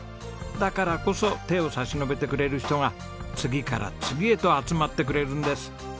だからこそ手を差し伸べてくれる人が次から次へと集まってくれるんです。